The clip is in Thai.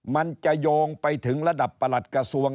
มันจะโยงไปถึงระดับประหลัดกระทรวง